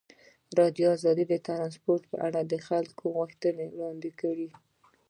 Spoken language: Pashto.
ازادي راډیو د ترانسپورټ لپاره د خلکو غوښتنې وړاندې کړي.